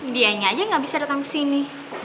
dianya aja gak bisa datang kesini